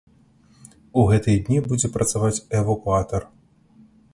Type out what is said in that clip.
У гэтыя дні будзе працаваць эвакуатар.